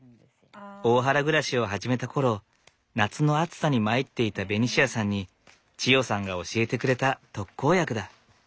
大原暮らしを始めた頃夏の暑さに参っていたベニシアさんに千代さんが教えてくれた特効薬だ。